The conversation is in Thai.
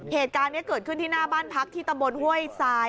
เหตุการณ์นี้เกิดขึ้นที่หน้าบ้านพักที่ตำบลห้วยทราย